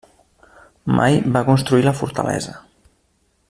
Mai va construir la fortalesa.